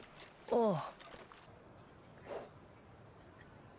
ああ。